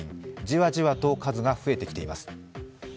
じわじわと数が増えてきています。